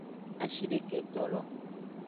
Ashideketolo.